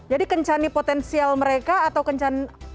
jadi kencani potensial mereka atau kencani orangnya